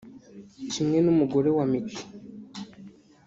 Kimwe n’umugore wa Mitt